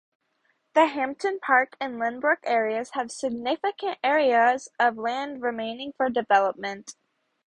The Hampton Park and Lynbrook areas have significant areas of land remaining for development.